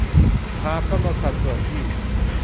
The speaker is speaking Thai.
หากกำหนดสัดส่วนที่